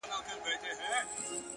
نظم د بریالي فکر هنداره ده؛